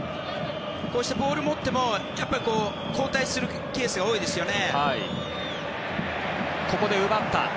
ボールを持っても後退するケースが多いですよね。